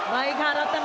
baik harap tenang